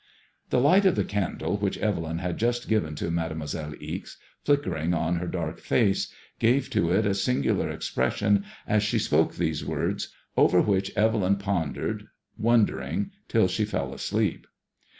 The light of the candle which Evelyn had just given to Made moiselle Ixe^ flickering on her dark face, gave to it a singular ex pression as she spoke these words, over which Evelyn pondered, wondering, till she fell asleep.